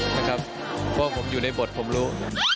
ใช่ครับเพราะว่าผมอยู่ในบทผมรู้